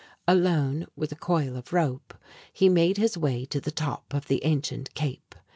Alone, with a coil of rope, he made his way to the top of the ancient cape.